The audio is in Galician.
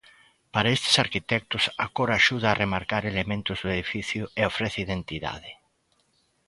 Para estes arquitectos a cor axuda a remarcar elementos do edificio e ofrece identidade.